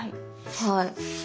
はい。